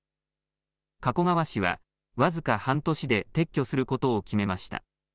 加古川市は僅か半年で撤去することを決めました。